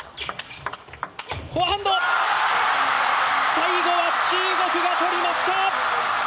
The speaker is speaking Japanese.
最後は中国が取りました。